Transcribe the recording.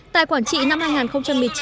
tại quản trị năm hai nghìn một mươi chín